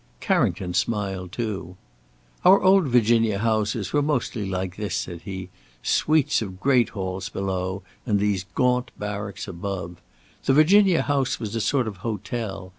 Carrington smiled too. "Our old Virginia houses were mostly like this," said he; "suites of great halls below, and these gaunt barracks above. The Virginia house was a sort of hotel.